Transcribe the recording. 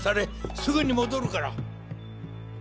すぐに戻るから。